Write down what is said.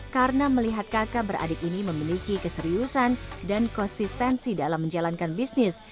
karena melihat kakak beradik ini memiliki keseriusan dan konsistensi dalam menjalankan bisnis